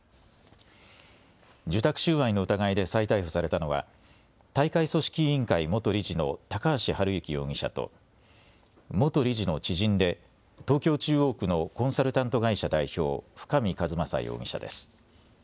受託収賄の疑いで再逮捕されたのは大会組織委員会元理事の高橋治之容疑者と元理事の知人で東京中央区のコンサルタント会社代表、深見和政容疑者です。